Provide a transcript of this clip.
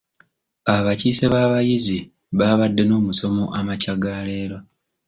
Abakiise b'abayizi baabadde n'omusomo amakya ga leero.